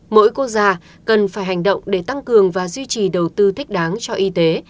mỗi quốc gia cần phải hành động để tăng cường và duy trì đầu tư thích đáng cho y tế